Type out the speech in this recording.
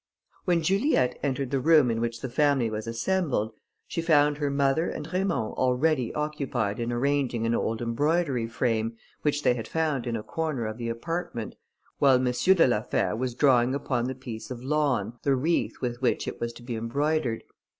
When Juliette entered the room in which the family was assembled, she found her mother and Raymond already occupied in arranging an old embroidery frame, which they had found in a corner of the apartment, while M. de la Fère was drawing upon the piece of lawn, the wreath with which it was to be embroidered.